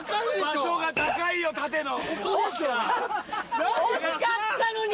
場所が高いよ盾の惜しかったのに！